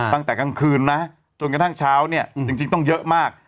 ตั้งแต่กลางคืนนะจนกระทั่งเช้าเนี่ยจริงต้องเยอะมาก